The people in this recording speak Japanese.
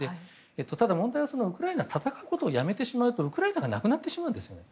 ただ、問題は、ウクライナは戦うことをやめてしまうとウクライナがなくなってしまうんですよね。